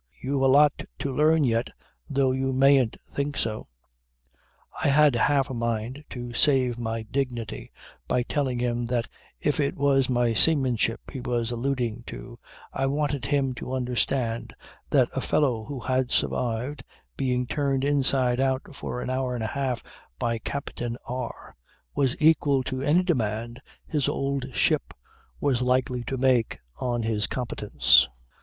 You've a lot to learn yet though you mayn't think so." "I had half a mind to save my dignity by telling him that if it was my seamanship he was alluding to I wanted him to understand that a fellow who had survived being turned inside out for an hour and a half by Captain R was equal to any demand his old ship was likely to make on his competence.